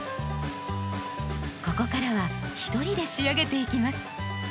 ここからは一人で仕上げていきます。